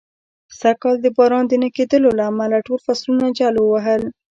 سږ کال د باران د نه کېدلو له امله، ټول فصلونه جل و وهل.